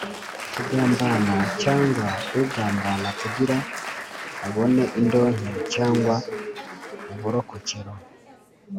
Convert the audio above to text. Kugambana cyangwa ugambana kugira ubone indonke cyangwa uburokokero